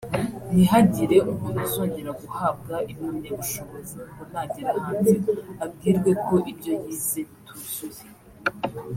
ntihagire umuntu uzongera guhabwa impamyabushobozi ngo nagera hanze abwirwe ko ibyo yize bituzuye